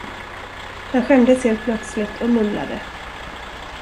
Han skämdes helt plötsligt och mumlade.